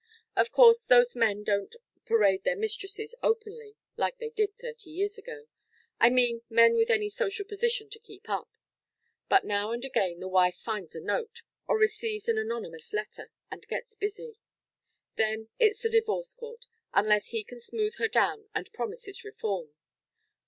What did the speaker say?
Of course, those men don't parade their mistresses openly like they did thirty years ago I mean men with any social position to keep up. But now and again the wife finds a note, or receives an anonymous letter, and gets busy. Then it's the divorce court, unless he can smooth her down, and promises reform.